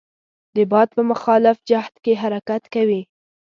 د باد په مخالف جهت کې حرکت کوي.